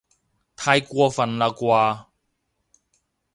太過分喇啩